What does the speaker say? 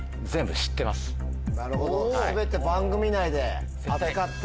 なるほど全て番組内で扱った。